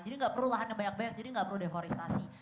jadi tidak perlu lahan yang banyak banyak jadi tidak perlu deforestasi